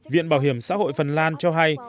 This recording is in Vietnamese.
viện bảo hiểm xã hội phần lan cho hay